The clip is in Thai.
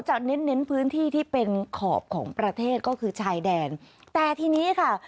เน้นเน้นพื้นที่ที่เป็นขอบของประเทศก็คือชายแดนแต่ทีนี้ค่ะ